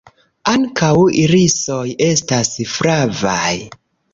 Ankaŭ irisoj estas flavaj.